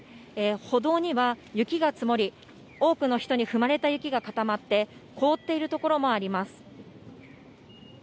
歩道には雪が積もり、多くの人に踏まれた雪が固まって、凍っている所もあります。